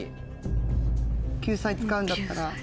救済使うんだったら。